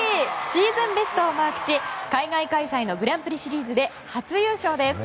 シーズンベストをマークし海外開催のグランプリシリーズで初優勝です。